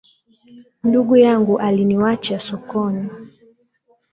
Ndugu yangu aliniwacha sokoni